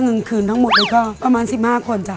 เงินคืนทั้งหมดนี้ก็ประมาณ๑๕คนจ้ะ